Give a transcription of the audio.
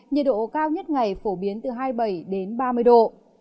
nhiệt độ cao nhất ngày phổ biến từ hai mươi bảy đến ba mươi độ